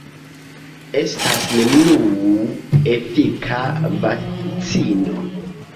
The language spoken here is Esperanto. Estas neniu efika vakcino.